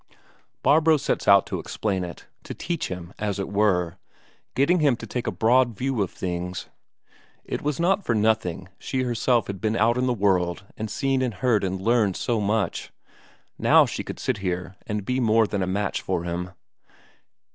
Barbro sets out to explain it, to teach him, as it were getting him to take a broad view of things. It was not for nothing she herself had been out in the world and seen and heard and learned so much; now she could sit here and be more than a match for him.